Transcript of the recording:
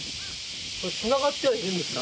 これつながってはいるんですか？